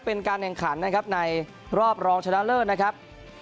เป็นการแข่งขันนะครับในรอบรองชนะเลิศนะครับ